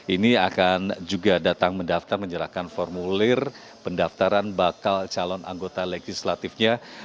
ini akan juga datang mendaftar menyerahkan formulir pendaftaran bakal calon anggota legislatifnya